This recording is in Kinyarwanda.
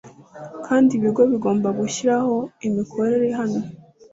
Kandi ibigo bigomba gushyiraho imikorere ihamye